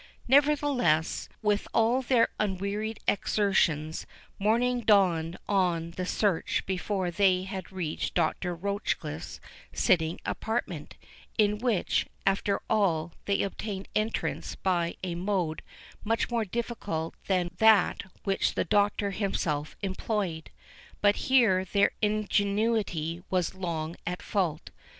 Nevertheless, with all their unwearied exertions, morning dawned on the search before they had reached Dr. Rochecliffe's sitting apartment, into which, after all, they obtained entrance by a mode much more difficult than that which the Doctor himself employed. But here their ingenuity was long at fault.